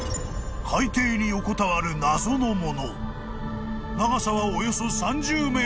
［海底に横たわる謎の物］